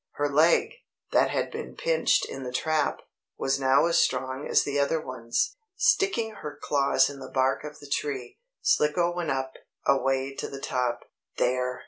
Her leg, that had been pinched in the trap, was now as strong as the other ones. Sticking her claws in the bark of the tree, Slicko went up, away to the top. "There!"